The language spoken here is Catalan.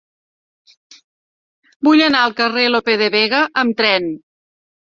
Vull anar al carrer de Lope de Vega amb tren.